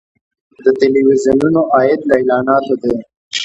د تلویزیونونو عاید له اعلاناتو دی